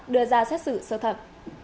đưa ra xét xử sự thật